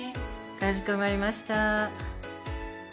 かしこまりました。